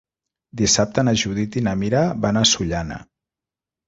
Dissabte na Judit i na Mira van a Sollana.